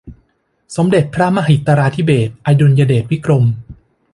สมเด็จพระมหิตลาธิเบศร์ อดุลยเดชวิกรม